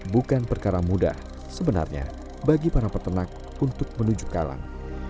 bukan perkara mudah sebenarnya bagi para peternak untuk menuju kalang